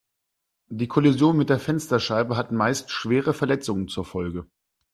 Die Kollision mit der Fensterscheibe hat meist schwere Verletzungen zur Folge.